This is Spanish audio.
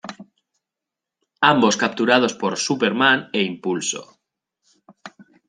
Ambos capturados por Superman e Impulso.